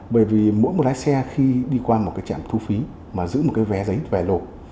bởi vì mỗi một lái xe khi đi qua một cái trạm thu phí mà giữ một cái vé giấy vé lột